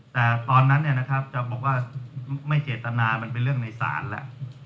แต่ตอนนั้นจะบอกว่าไม่เจตนามันเป็นเรื่องในศาลแล้ว